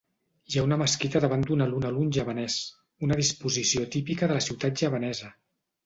Hi ha una mesquita davant d'un alun-alun javanès, una disposició típica de ciutat javanesa.